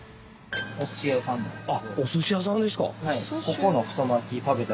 おすし屋さんですか？